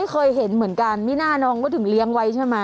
ไม่เคยเห็นเหมือนกันมิน่าน้องก็ถึงเลี้ยงไว้ใช่มั้ย